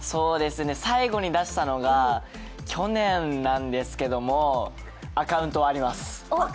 最後に出したのが去年なんですけどもアカウントはあります。